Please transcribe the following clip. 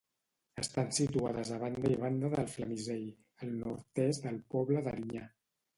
Estan situades a banda i banda del Flamisell, al nord-est del poble d'Erinyà.